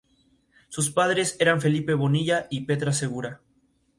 Sus padres eran Felipe Bonilla y Petra Segura.